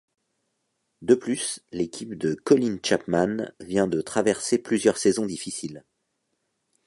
De plus, l'équipe de Colin Chapman vient de traverser plusieurs saisons difficiles.